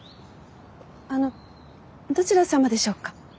あのどちら様でしょうか？